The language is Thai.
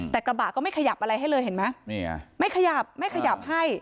แต่กระบะก็ไม่ขยับอะไรให้เลยเห็นไหมไม่ขยับไม่ขยับให้